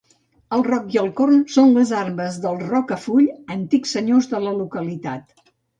El roc i el corn són les armes dels Rocafull, antics senyors de la localitat.